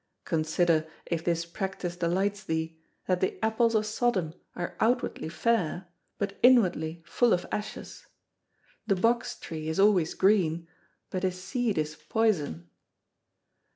Consider, if this practice delights thee, that the apples of Sodom are outwardly fair but inwardly full of ashes; the box tree is always green, but his seed is poison.